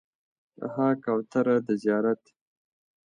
ها کوتره د زیارت